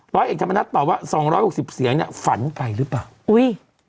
ร้อยเอกธรรมนัฐตอบว่าสองร้อยหกสิบเสียงเนี้ยฝันไปหรือเปล่าอุ้ย